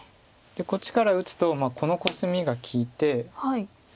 こっちから打つとこのコスミが利いて。